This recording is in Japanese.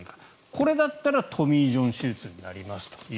これだったらトミー・ジョン手術になります。